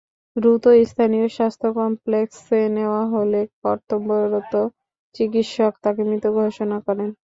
দ্রুত স্থানীয় স্বাস্থ্য কমপ্লেক্সে নেওয়া হলে কর্তব্যরত চিকিৎসক তাঁকে মৃত ঘোষণা করেন।